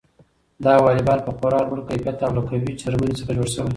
دا واليبال په خورا لوړ کیفیت او له قوي څرمنې څخه جوړ شوی.